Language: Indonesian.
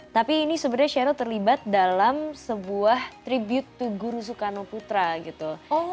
tapi ini sebenarnya sheryl terlibat dalam sebuah tribute to guru soekarno putra gitu